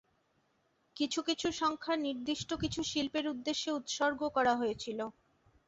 কিছু কিছু সংখ্যা নির্দিষ্ট কিছু শিল্পীর উদ্দেশ্যে উৎসর্গ করা হয়েছিলো।